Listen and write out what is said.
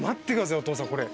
おとうさんこれ。